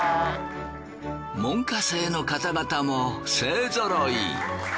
門下生の方々も勢ぞろい。